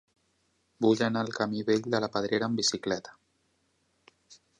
Vull anar al camí Vell de la Pedrera amb bicicleta.